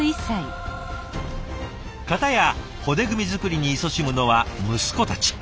片や骨組み作りにいそしむのは息子たち。